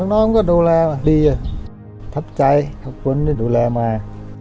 น้องก็ดูแลมาดีถับใจดูแลมา